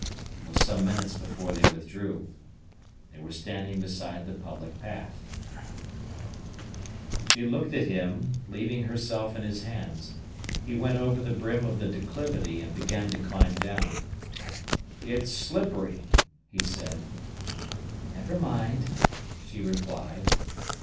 It was some minutes before they withdrew. They were standing beside the public path. "Will you go down to the river?" he asked. She looked at him, leaving herself in his hands. He went over the brim of the declivity and began to climb down. "It is slippery," he said. "Never mind," she replied.